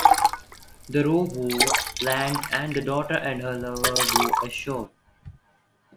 The row boat lands and the daughter and her lover go ashore.